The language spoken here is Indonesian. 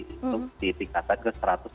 untuk di tingkatan ke satu ratus tujuh puluh tujuh